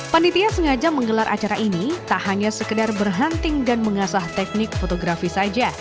panitia sengaja menggelar acara ini tak hanya sekedar berhunting dan mengasah teknik fotografi saja